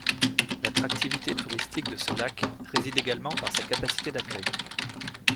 L'attractivité touristique de ce lac réside également par sa capacité d'accueil.